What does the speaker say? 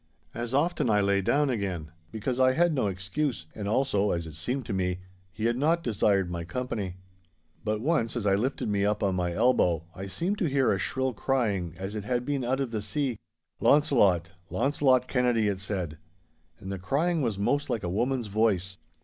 As often I lay down again, because I had no excuse, and also (as it seemed to me) he had not desired my company. But once, as I lifted me up on my elbow, I seemed to hear a shrill crying as it had been out of the sea, 'Launcelot—Launcelot Kennedy!' it said. And the crying was most like a woman's voice.